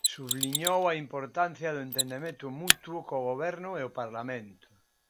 Subliñou a importancia do entendemento mutuo co goberno e o parlamento.